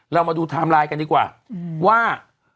เรามาดูไทม์ไลน์กันดีกว่าว่า